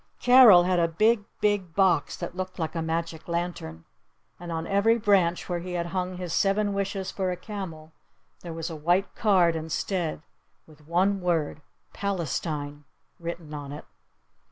Carol had a big, big box that looked like a magic lantern. And on every branch where he had hung his seven wishes for a camel there was a white card instead with the one word "Palestine" written on it.